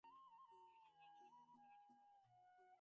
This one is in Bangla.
এই সংসারের জন্য কোনরূপ বাসনাই ভ্রম, কারণ এ সংসার অনিত্য।